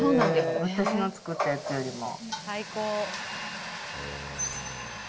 私の作ったやつよりも。